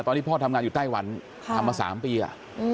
ดรชัยแล้วตอนหน้าพ่อทำงานอยู่ไต้วันทำมา๓ปีอะ